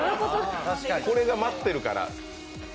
これが待ってるから。